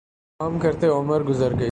کام کرتے عمر گزر گئی